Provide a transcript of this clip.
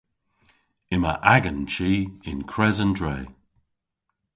Yma agan chi yn kres an dre.